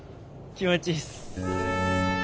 気持ちいいっす。